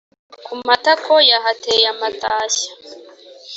ku matako yahateye amatashya